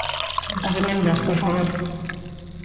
Ás emendas, por favor.